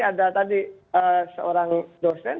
ada tadi seorang dosen